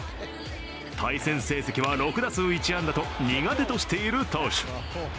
対戦成績は６打数１安打と苦手としている投手。